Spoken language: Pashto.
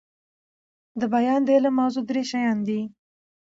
دبیان د علم موضوع درې شيان دي.